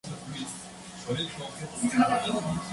Pero existen muchas otras causas.